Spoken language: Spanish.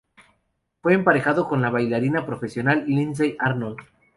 Fue emparejado con la bailarina profesional Lindsay Arnold.